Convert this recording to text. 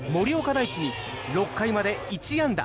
大智に６回まで１安打。